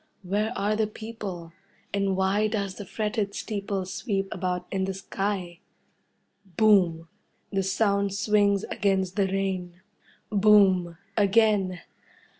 Where are the people, and why does the fretted steeple sweep about in the sky? Boom! The sound swings against the rain. Boom, again!